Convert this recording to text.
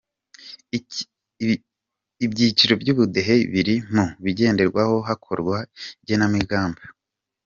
Ibyiciro by’ubudehe biri mu bigenderwaho hakorwa igenamigambi.